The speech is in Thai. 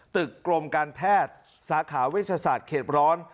กรมการแพทย์สาขาเวชศาสตร์เขตร้อน